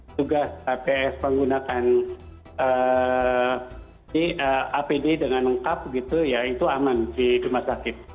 tugas tps menggunakan apd dengan lengkap gitu ya itu aman di rumah sakit